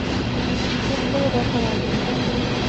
Check করে দেখা দরকার!